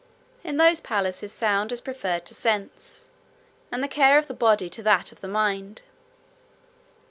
In those palaces, sound is preferred to sense, and the care of the body to that of the mind."